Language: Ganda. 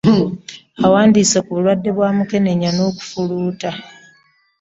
Awandiise ku bulwadde bwa mukenenya n’okufuluuta.